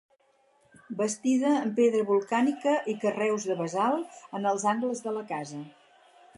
Bastida amb pedra volcànica i carreus de basalt en els angles de la casa.